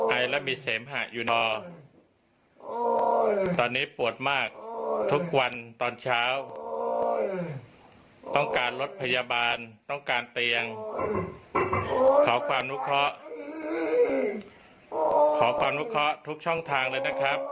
เสมหะอยู่นอตอนนี้ปวดมากทุกวันตอนเช้าต้องการรถพยาบาลต้องการเตียงขอความนุเคราะห์ขอความนุเคราะห์ทุกช่องทางเลยนะครับ